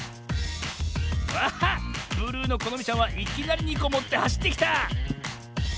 あっブルーのこのみちゃんはいきなり２こもってはしってきた！